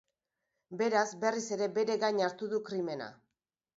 Beraz, berriz ere bere gain hartu du krimena.